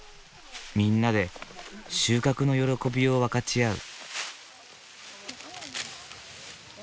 みんなで収穫の喜びを分かち合う。